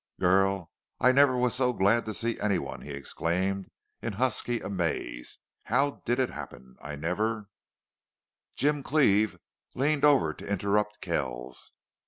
"Girl, I never was so glad to see any one!" he exclaimed in husky amaze. "How did it happen? I never " Jim Cleve leaned over to interrupt Kells.